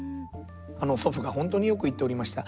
祖父が本当によく言っておりました。